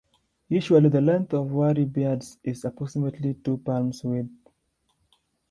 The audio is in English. Usually the length of worry beads is approximately two palm widths.